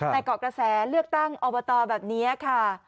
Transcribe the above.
แต่เกาะกระแสเลือกตั้งอบตแบบนี้ค่ะ